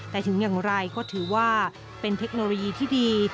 แต่ถึงอย่างไรก็ถือว่าเป็นเทคโนโลยีที่ดี